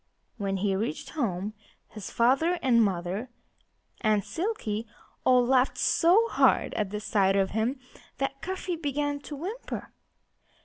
When he reached home his father and mother and Silkie all laughed so hard at the sight of him that Cuffy began to whimper.